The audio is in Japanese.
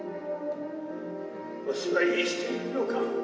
わしは生きているのか？